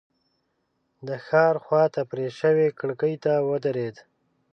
د ښار خواته پرې شوې کړکۍ ته ودرېد.